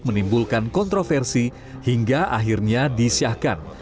menimbulkan kontroversi hingga akhirnya disiahkan